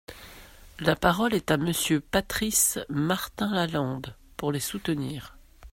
La parole est à Monsieur Patrice Martin-Lalande, pour les soutenir.